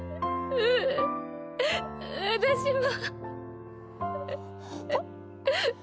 うん私も。